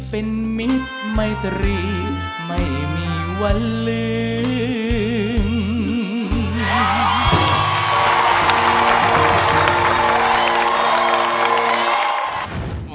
เป็นมิตรไมตรีไม่มีวันลืม